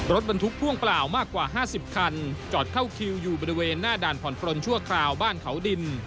รถบรรทุกพ่วงเปล่ามากกว่า๕๐คันจอดเข้าคิวอยู่บริเวณหน้าด่านผ่อนปลนชั่วคราวบ้านเขาดิน